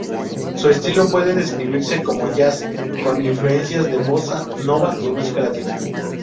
Su estilo puede describirse como jazz con influencias de bossa nova y música latina.